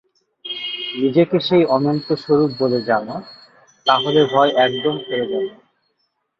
নিজেকে সেই অনন্তস্বরূপ বলে জান, তা হলে ভয় একদম চলে যাবে।